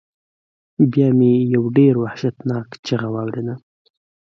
بیا ما یو ډیر وحشتناک چیغہ واوریده.